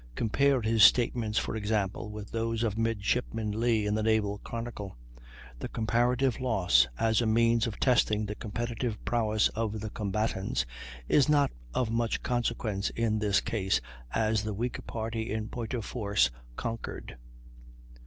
Compare his statements, for example, with those of Midshipman Lee, in the "Naval Chronicle." The comparative loss, as a means of testing the competitive prowess of the combatants, is not of much consequence in this case, as the weaker party in point of force conquered.